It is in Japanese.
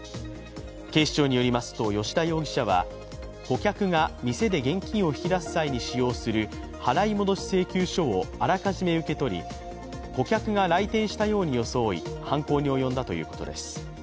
警視庁によりますと吉田容疑者は顧客が店で現金を引き出す際に使用する払戻請求書をあらかじめ受け取り顧客が来店したように装い、犯行に及んだということです。